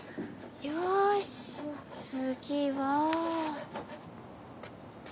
よし次は。